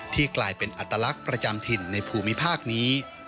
กลายเป็นอัตลักษณ์ประจำถิ่นในภูมิภาคนี้